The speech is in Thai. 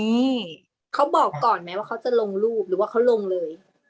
นี่เขาบอกก่อนไหมว่าเขาจะลงรูปหรือว่าเขาลงเลย